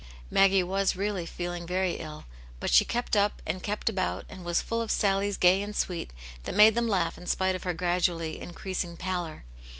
Maggie was really feeling very ill. But she kept tip and kept about and was full of sallies gay and sweet, that made them laugh in spite of her gradually increasing pallor.